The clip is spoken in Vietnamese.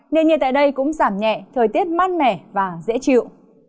nền nhiệt tại đây cũng giảm nhẹ thời tiết mát mẻ và dễ chịu